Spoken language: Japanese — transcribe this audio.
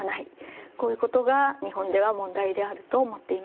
こういうことが日本では問題であると思っています。